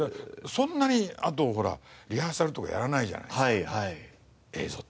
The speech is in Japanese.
あとほらリハーサルとかやらないじゃないですか映像って。